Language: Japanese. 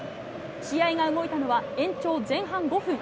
試合が動いたのは延長前半５分。